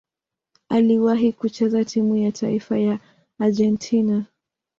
Aliwahi kucheza timu ya taifa ya Argentina.